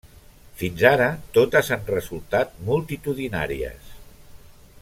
Fins ara totes han resultat multitudinàries.